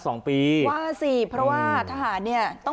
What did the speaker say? ก็แค่มีเรื่องเดียวให้มันพอแค่นี้เถอะ